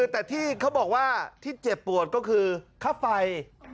แต่ที่เขาบอกว่าที่เจ็บปวดก็คือค่าไฟ